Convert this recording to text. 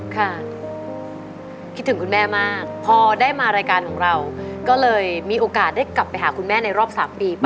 คิดถึงคุณแม่มากพอได้มารายการของเราก็เลยมีโอกาสได้กลับไปหาคุณแม่ในรอบ๓ปี